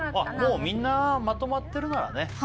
もうみんなまとまってるならね